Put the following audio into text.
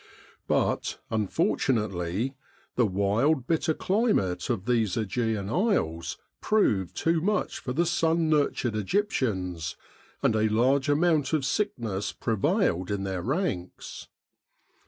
But, unfortunately, the wild, bitter climate of these ^Egean Isles proved too much for the sun nurtured Egyptians, and a large amount of sickness prevailed in their ranks.